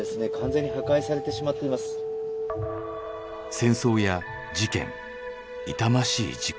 戦争や事件痛ましい事故。